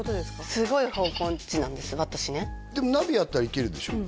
すごい方向音痴なんです私ねでもナビあったら行けるでしょ？